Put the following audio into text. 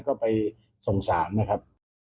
ก็ไปส่งสารนะครับ